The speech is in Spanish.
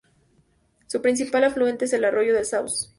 Su principal afluente es el Arroyo del Sauce.